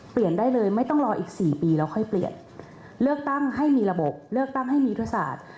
เปลี่ยนได้เลยไม่ต้องรออีก๔ปีแล้วค่อยเปลี่ยนเลือกตั้งให้มีระบบเลือกตั้งให้มียุทธศาสตร์